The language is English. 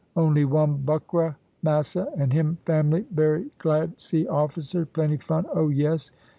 Only one buckra, massa, and him family berry glad see officers; plenty fun, oh yes!